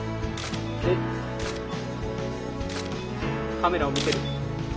カメラを見てる。